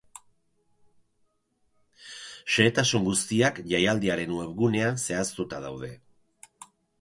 Xehetasun guztiak jaialdiaren webgunean zehaztuta daude.